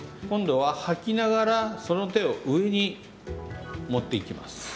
今度は吐きながらその手を上に持っていきます。